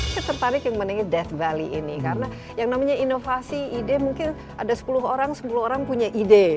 saya tertarik yang menarik dead value ini karena yang namanya inovasi ide mungkin ada sepuluh orang sepuluh orang punya ide